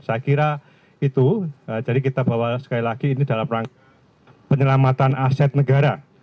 saya kira itu jadi kita bawa sekali lagi ini dalam rangka penyelamatan aset negara